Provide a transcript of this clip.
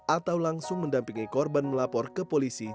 atau langsung mendampingi korban melapor ke polisi